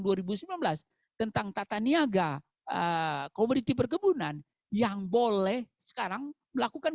tahun dua ribu sembilan belas tentang tata niaga komoditi perkebunan yang boleh sekarang melakukan